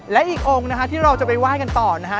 และอีกองค์นะคะที่เราจะไปไหว้กันต่อนะฮะ